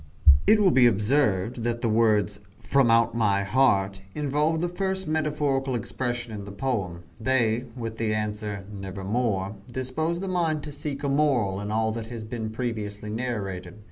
It will be observed that the words, "from out my heart," involve the first metaphorical expression in the poem. They, with the answer, "Nevermore," dispose the mind to seek a moral in all that has been previously narrated.